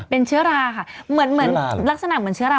เป็นเชื้อราค่ะเหมือนลักษณะเหมือนเชื้อรา